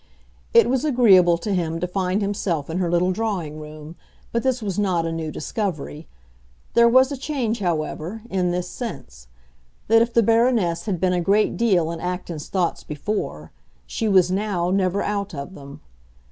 It was agreeable to him to find himself in her little drawing room; but this was not a new discovery. There was a change, however, in this sense: that if the Baroness had been a great deal in Acton's thoughts before, she was now never out of them.